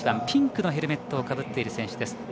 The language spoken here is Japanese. ピンクのヘルメットをかぶっている選手です。